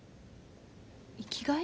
生きがい？